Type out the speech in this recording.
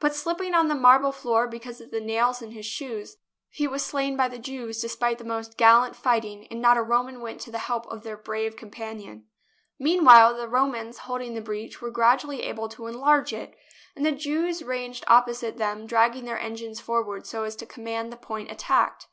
But, slipping on the marble floor because of the nails in his shoes, he was slain by the Jews, despite the most gallant fighting, and not a Roman went to the help of their brave champion. Meanwhile the Romans holding the breach were gradually able to enlarge it, and the Jews ranged opposite them dragged their engines forward so as to command the point attacked.